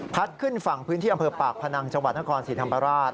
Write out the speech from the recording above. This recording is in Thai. ขึ้นฝั่งพื้นที่อำเภอปากพนังจังหวัดนครศรีธรรมราช